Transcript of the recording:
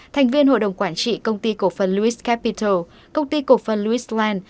thành viên hội đồng quản trị công ty cổ phân lewis capital công ty cổ phân lewis land